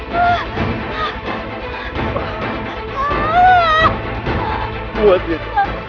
terus siaga jaga women